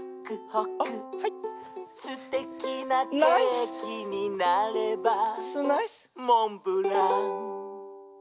「すてきなケーキになればモンブラン！」